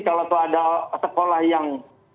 kalau ada sekolah yang